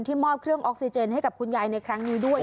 มอบเครื่องออกซิเจนให้กับคุณยายในครั้งนี้ด้วย